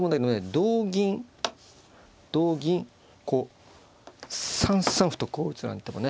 同銀同銀こう３三歩とこう打つなんてのもね